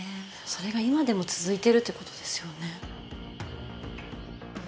それが今でも続いてるっていうことですよね